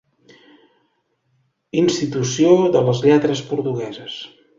Institució de les Lletres Portugueses.